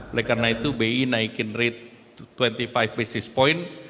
oleh karena itu bi naikin rate dua puluh lima basis point